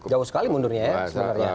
jauh sekali mundurnya ya